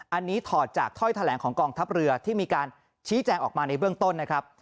อันนี้ถอดจากถ้อยแถลงของกองทัพเรือที่มีการชี้แจงออกมาในเบื้องต้นนะครับ